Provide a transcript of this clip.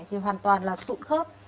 thì hoàn toàn là sụn khớp